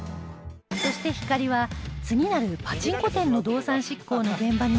そしてひかりは次なるパチンコ店の動産執行の現場にも同行